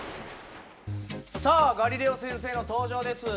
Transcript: さあガリレオ先生の登場です。